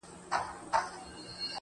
زه د ساقي تر احترامه پوري پاته نه سوم